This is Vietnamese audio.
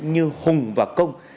như hùng và công